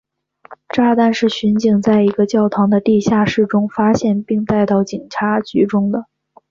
炸弹是巡警在一个教堂的地下室中发现并带到警察局中的。